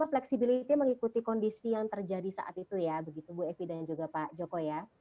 fleksibilitas mengikuti kondisi yang terjadi saat itu ya begitu bu evi dan juga pak joko ya